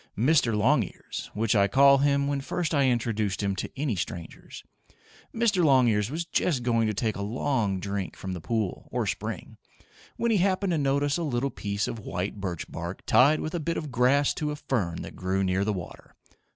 Mr. Longears, which I call him when first I introduce him to any strangers Mr. Longears was just going to take a long drink from the pool, or spring, when he happened to notice a little piece of white birch bark tied with a bit of grass to a fern that grew near the water.